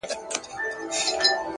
ساده ژوند د زړه ژور سکون راولي,